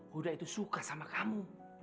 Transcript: huda itu suka sama kamu